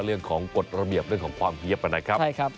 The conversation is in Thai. เรื่องของกฎระเบียบเรื่องของความเฮียบนะครับ